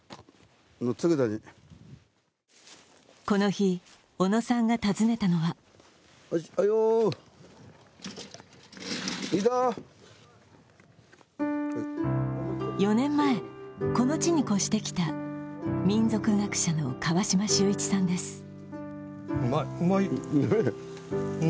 この日小野さんが訪ねたのは４年前、この地に越してきた民俗学者の川島秀一さんです。